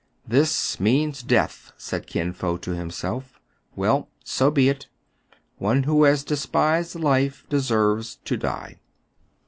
"This means death," said Kin Fo to himself. "Well, so be it! One who has despised life deserves to die."